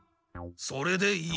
それでいい！